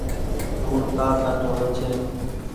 لوڻ ڪآ گھٽ هووي ڇي۔